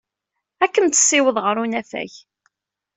Ad kem-tessiweḍ ɣer unafag.